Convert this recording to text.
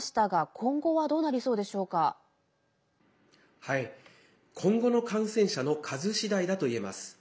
今後の感染者の数次第だといえます。